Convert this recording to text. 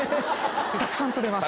たくさん採れます。